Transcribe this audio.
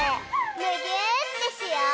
むぎゅーってしよう！